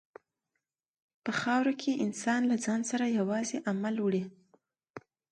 په خاوره کې انسان له ځان سره یوازې عمل وړي.